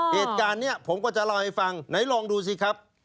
เหตุการณ์นี้ผมก็จะเล่าให้ฟังไหนลองดูสิครับ